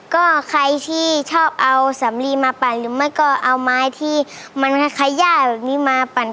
ก็ใครที่ชอบเอาสำลีมาปั่นหรือไม่ก็เอาไม้ที่มันคล้ายย่าแบบนี้มาปั่น